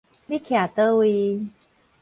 你徛佗位